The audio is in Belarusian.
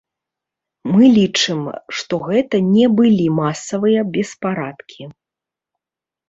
Мы лічым, што гэта не былі масавыя беспарадкі.